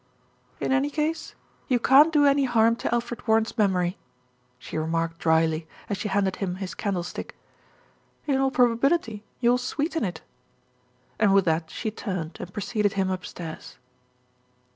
"In any case you can't do any harm to Alfred War ren's memory," she remarked drily, as she handed him his candlestick. "In all probability you will sweeten it," and with that she turned and preceded him up stairs.